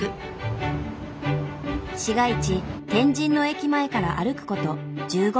市街地天神の駅前から歩くこと１５分。